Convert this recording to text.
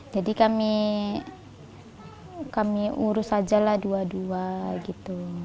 jadi kami urus aja lah dua dua gitu